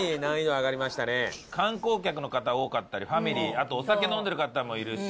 観光客の方多かったりファミリーあとお酒飲んでる方もいるし。